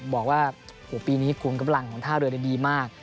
บอกว่าปีนี้คุมกำลังของท่าเรือได้ดีมาก